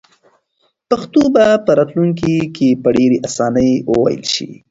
پښتو به په راتلونکي کې په ډېرې اسانۍ وویل شي.